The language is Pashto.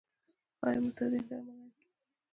آیا معتادین درملنه کیږي؟